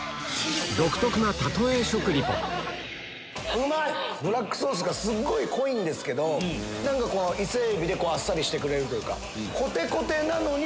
うまい！ブラックソースがすごい濃いんですけどイセエビであっさりしてくれるというか。